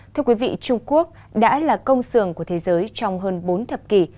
thưa quý vị trung quốc đã là công sưởng của thế giới trong hơn bốn thập kỷ